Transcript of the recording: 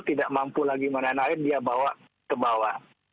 tidak mampu lagi menanam air dia bawa ke bawah